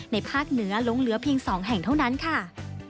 ภาคเหนือลงเหลือเพียง๒แห่งเท่านั้นค่ะ